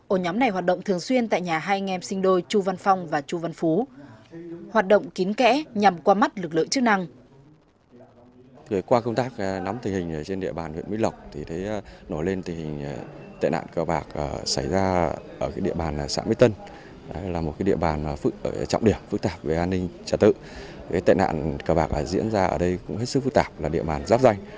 ổ nhóm này hoạt động thường xuyên tại nhà hai anh em sinh đôi chu văn phong và chu văn phú hoạt động kín kẽ nhằm qua mắt lực lượng chức năng